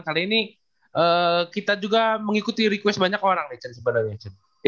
kali ini kita juga mengikuti request banyak orang nih chan sebenarnya